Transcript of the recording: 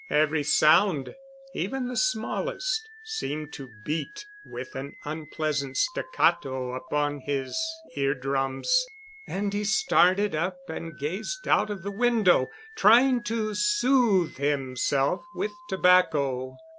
Every sound, even the smallest, seemed to beat with an unpleasant staccato, upon his ear drums. And he started up and gazed out of the window, trying to soothe himself with tobacco.